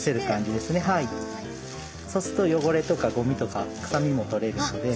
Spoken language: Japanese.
そうするとよごれとかゴミとか臭みも取れるので。